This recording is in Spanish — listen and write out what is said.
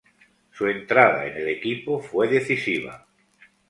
Su entrada en el equipo fue decisiva.